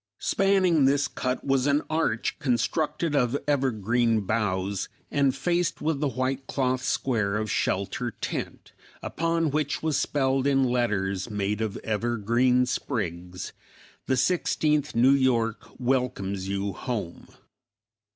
Spanning this cut was an arch constructed of evergreen boughs and faced with the white cloth square of shelter tent, upon which was spelled in letters made of evergreen sprigs, "THE SIXTEENTH NEW YORK WELCOMES YOU HOME."